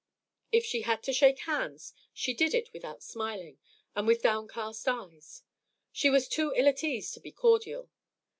If she had to shake hands, she did it without smiling and with downcast eyes; she was too ill at ease to be cordial.